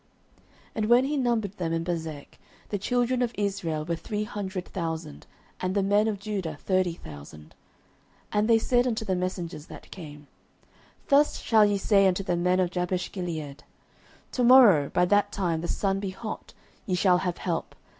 09:011:008 And when he numbered them in Bezek, the children of Israel were three hundred thousand, and the men of Judah thirty thousand. 09:011:009 And they said unto the messengers that came, Thus shall ye say unto the men of Jabeshgilead, To morrow, by that time the sun be hot, ye shall have help.